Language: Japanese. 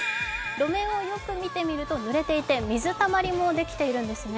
路面をよく見ているとぬれていて水たまりもできているんですね。